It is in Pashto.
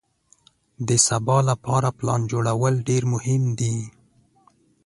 د سبا لپاره پلان جوړول ډېر مهم دي.